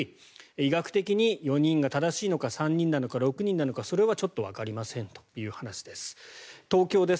医学的に４人が正しいのか３人なのか６人なのかそれはちょっとわかりませんという話です。